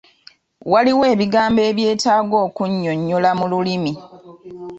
Waliwo ebigambo ebyetaaga okunnyonnyola mu lulimi.